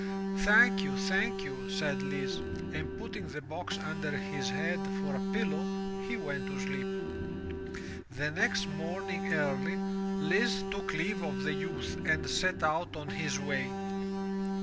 "Thank you, thank you," said Lise, and, putting the box under his head for a pillow, he went to sleep. The next morning early, Lise took leave of the youth and set out on his way.